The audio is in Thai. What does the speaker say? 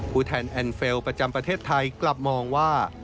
ผู้แทนแอนดเฟลประจำประเทศไทยกลับมองว่า